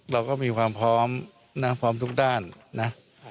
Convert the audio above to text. เราก็มีความพร้อมนะพร้อมทุกด้านนะ